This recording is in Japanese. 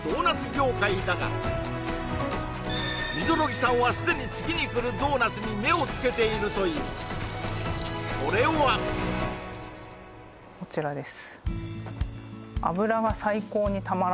現在だが溝呂木さんはすでに次にくるドーナツに目をつけているというそれはこちらです